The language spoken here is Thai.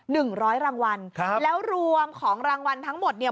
หนึ่งร้อยรางวัลครับแล้วรวมของรางวัลทั้งหมดเนี่ย